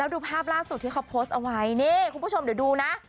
ดูภาพล่าสุดที่เขาโพสต์เอาไว้นี่คุณผู้ชมเดี๋ยวดูนะ